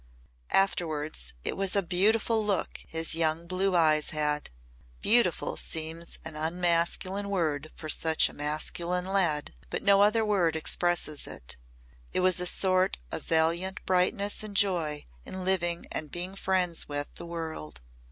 Afterwards it was a beautiful look his young blue eyes had. Beautiful seems an unmasculine word for such a masculine lad, but no other word expresses it. It was a sort of valiant brightness and joy in living and being friends with the world.